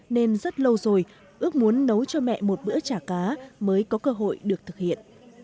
nên rất lâu rồi ước muốn nấu cho mẹ một bữa chả cá mới có cơ hội được thực hiện